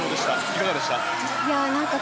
いかがでしたか？